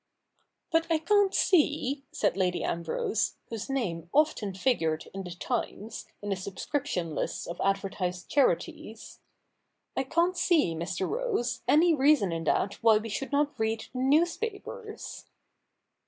' But I can't see,' said Lady Ambrose, whose name often figured in the Twies, in the subscription lists of advertised charities —' I can't see, Mr. Rose, any reason in that why we should not read the newspapers.'